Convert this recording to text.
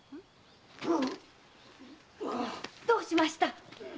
どうしました？